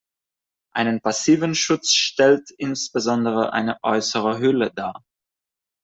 Einen passiven Schutz stellt insbesondere eine äußere Hülle dar.